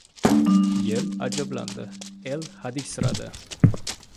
Yel ajablandi, el hadiksiradi...